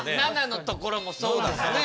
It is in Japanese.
７のところもそうですね。